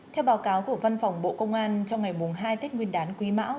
theo báo cáo của văn phòng bộ công an trong ngày hai tết nguyên đán quý mão